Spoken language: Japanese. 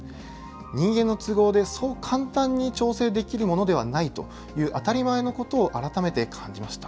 人間の都合でそう簡単に調整できるものではないという、当たり前のことを改めて感じました。